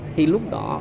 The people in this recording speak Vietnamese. thì lúc đó